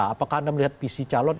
apakah anda melihat visi calon